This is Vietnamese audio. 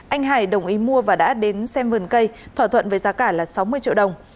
anh hải đồng ý mua và đã đến xem vườn cây thỏa thuận với giá cả là sáu mươi triệu đồng